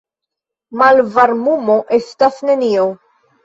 Malvarmumo estas nenio.